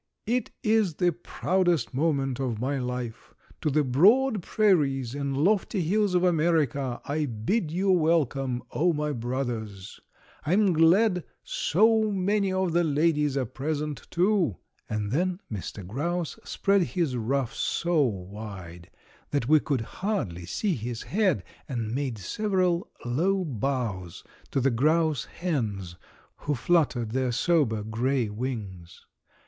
It is the proudest moment of my life. To the broad prairies and lofty hills of America I bid you welcome, O, my brothers! I am glad so many of the ladies are present, too," and then Mr. Grouse spread his ruff so wide that we could hardly see his head, and made several low bows to the grouse hens who fluttered their sober gray wings.